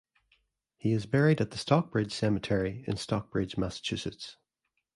He is buried at the Stockbridge Cemetery in Stockbridge, Massachusetts.